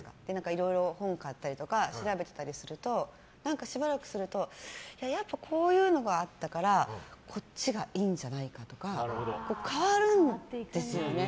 いろいろ、本を買ったりとか調べてたりするとしばらくすると、やっぱこういうのがあったからこっちがいいんじゃないかとか変わるんですよね。